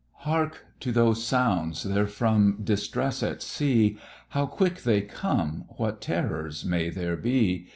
Hark! to those sounds! they're from distress at sea; How quick they come! What terrors may there be!